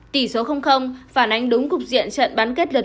tỷ số phản ánh đúng cục diện trận bán kết đợt